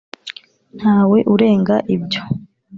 nta we urenga ibyo